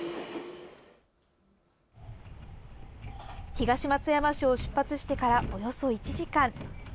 東松山市を出発してからおよそ１時間。